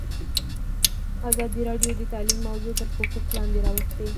ازادي راډیو د تعلیم موضوع تر پوښښ لاندې راوستې.